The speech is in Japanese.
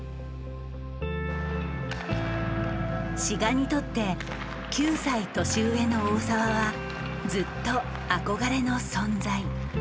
志賀にとって９歳年上の大澤はずっと憧れの存在。